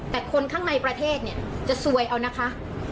แต่คนข้างในประเทศเนี่ยจะซวยเอานะคะ